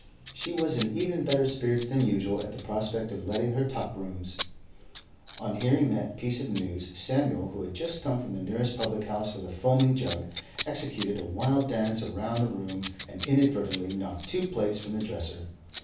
She was in even better spirits than usual at the prospect of letting her top rooms. On hearing that piece of news, Samuel, who had just come from the nearest public house with a foaming jug, executed a wild dance round the room and inadvertently knocked two plates from the dresser.